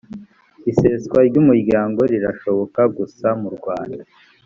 iseswa ry umuryango rirashoboka gusa murwanda